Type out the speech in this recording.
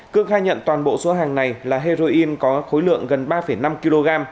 cương khai nhận toàn bộ số hàng này là heroin có khối lượng gần ba năm kg